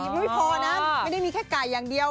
ไม่พอนะไม่ได้มีแค่ไก่อย่างเดียว